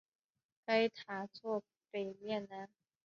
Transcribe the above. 该塔座北面南。